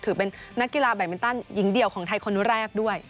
ถือเป็นนักกีฬาแบตมินตันหญิงเดียวของไทยคนแรกด้วย